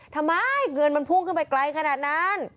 ทำไมเงินมันพุ่งขึ้นไปไกลขนาดนั้น